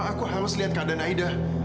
aku harus lihat keadaan aida